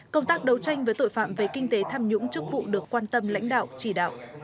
công tác đấu tranh với tội phạm về kinh tế tham nhũng chức vụ được quan tâm lãnh đạo chỉ đạo